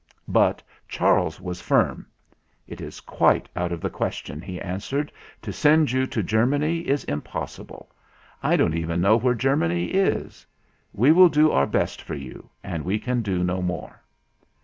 But Charles was firm. "It is quite out of the question," he answered. 178 THE FLINT HEART "To send you to Germany is impossible. I don't even know where Germany is. We will do our best for you, and we can do no more."